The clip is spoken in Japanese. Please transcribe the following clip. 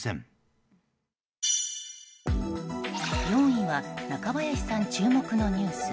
４位は中林さん注目のニュース。